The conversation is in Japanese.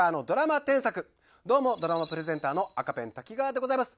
どうもドラマプレゼンターの赤ペン瀧川でございます。